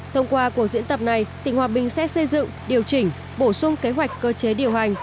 thông qua cuộc diễn tập này tỉnh hòa bình sẽ xây dựng điều chỉnh bổ sung kế hoạch cơ chế điều hành